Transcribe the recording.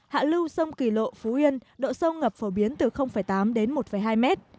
hạ lưu sông kỳ lộ phú yên độ sâu ngập phổ biến từ tám đến một hai mét